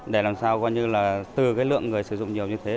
để làm sao coi như là từ cái lượng người sử dụng nhiều như thế